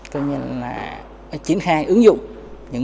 tự nhiên là triển khai ứng dụng những nghiệp việt nam